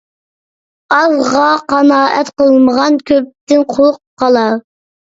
ئازغا قانائەت قىلمىغان كۆپتىن قۇرۇق قالار.